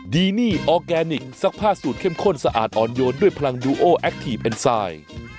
ดีนี่ออร์แกนิคซักผ้าสูตรเข้มข้นสะอาดอ่อนโยนด้วยพลังดูโอแอคทีฟเอ็นไซด์